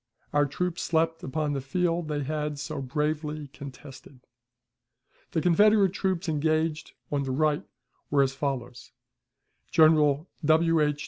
Our troops slept upon the field they had so bravely contested. The Confederate troops engaged on the right were as follows: General W. H.